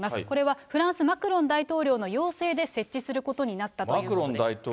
これはフランス、マクロン大統領の要請で設置することになったということです。